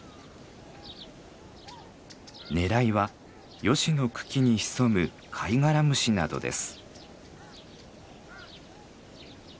狙いはヨシの茎に潜むカイガラムシなどです。